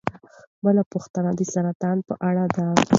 بله پوښتنه د سرطان په اړه ده.